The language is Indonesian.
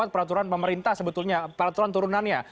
peraturan pemerintah sebetulnya peraturan turunannya